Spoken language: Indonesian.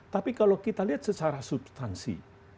tapi kalau kita lihat secara substansi